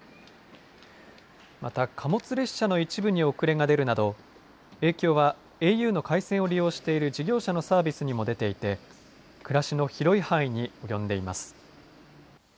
また、貨物列車の一部に遅れが出るなど影響はａｕの回線を利用している事業者のサービスにも出ていて暮らしの広い範囲に及んでいます。